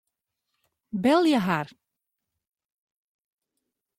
Belje har.